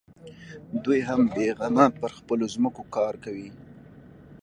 دوى هم بېغمه پر خپلو ځمکو کار کوي.